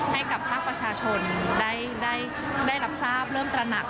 ให้กับภาคประชาชนได้รับทราบเริ่มตระหนัก